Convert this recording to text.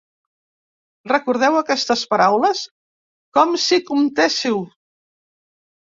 Recordeu aquestes paraules com si comptéssiu.